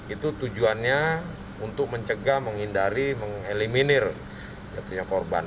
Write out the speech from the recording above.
itu tujuannya untuk mencegah menghindari mengeliminir jatuhnya korban